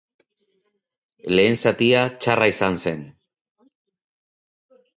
Lehen zatia txarra izan zen.